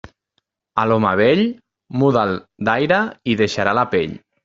A l'home vell, muda'l d'aire i deixarà la pell.